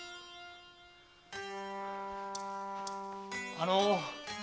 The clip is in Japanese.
あの。